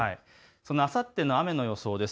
そのあさっての雨の予想です。